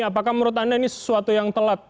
apakah menurut anda ini sesuatu yang telat